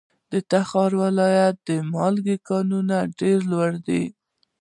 د تخار ولایت د مالګې کانونه ډیر لوی دي.